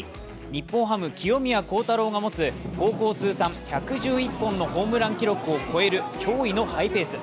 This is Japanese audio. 日本ハム・清宮幸太郎が持つホームラン記録を超える驚異のハイペース。